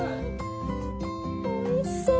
おいしそう！